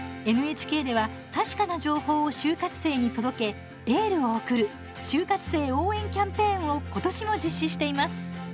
ＮＨＫでは確かな情報を就活生に届けエールを送る就活生応援キャンペーンをことしも実施しています。